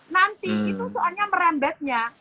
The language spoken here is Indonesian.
nanti itu soalnya merambatnya